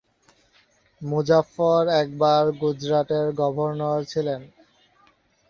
মুজাফফর একবার গুজরাটের গভর্নর ছিলেন।